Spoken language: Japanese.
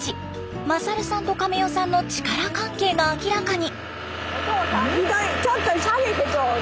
勝さんとカメ代さんの力関係が明らかに。